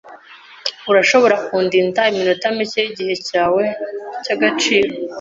Urashobora kundinda iminota mike yigihe cyawe cyagaciro?